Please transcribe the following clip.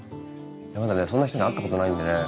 まだねそんな人に会ったことないんでね。